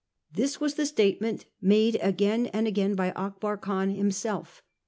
This was the statement made again and again by Akbar Khan himself.